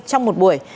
trong một buổi